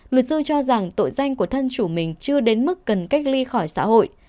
luật sư cho rằng tội danh của thân chủ mình chưa đến mức cần cách ly khỏi xã hội